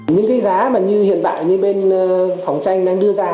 những cái giá mà như hiện tại như bên phòng tranh đang đưa ra